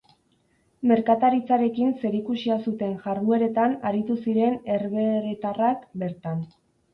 Merkataritzarekin zerikusia zuten jardueretan aritu ziren herbeheretarrak bertan.